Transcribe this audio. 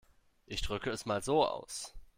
Ich drücke es mal so aus.